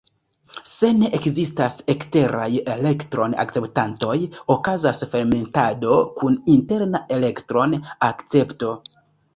Se ne ekzistas eksteraj elektron-akceptantoj, okazas fermentado kun interna elektron-akcepto.